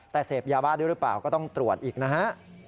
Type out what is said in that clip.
แต่เสพยาบ้าด้วยหรือเปล่าก็ต้องตรวจอีกนะฮะ